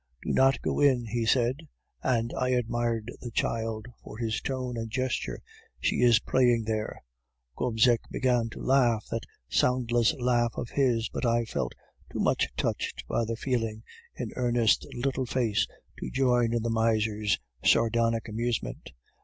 "'Do not go in,' he said; and I admired the child for his tone and gesture; 'she is praying there.' "Gobseck began to laugh that soundless laugh of his, but I felt too much touched by the feeling in Ernest's little face to join in the miser's sardonic amusement.